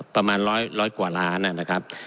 ประมาณร้อยกว่าล้านนะครับ